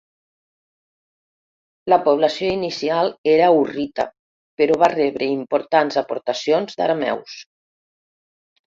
La població inicial era hurrita però va rebre importants aportacions d'arameus.